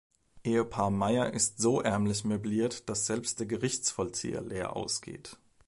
Ehepaar Meier ist so ärmlich möbliert, dass selbst der Gerichtsvollzieher leer ausgeht.